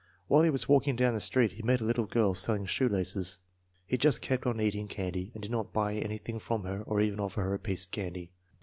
While he was walking down the street he met a little girl selling shoe laces. He just kept on eating candy and did not buy anything from her or even offer her a piece of candy.